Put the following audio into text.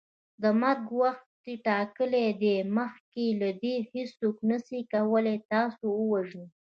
د مرګ وخت ټاکلی دی مخکي له دې هیڅوک نسي کولی تاسو ووژني